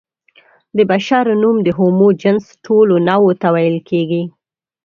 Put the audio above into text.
د بشر نوم د هومو جنس ټولو نوعو ته ویل کېږي.